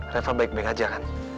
reva baik baik aja kan